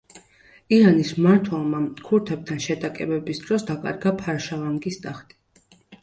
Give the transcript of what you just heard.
ირანის მმართველმა ქურთებთან შეტაკებების დროს დაკარგა ფარშავანგის ტახტი.